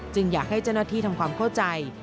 อยากให้เจ้าหน้าที่ทำความเข้าใจ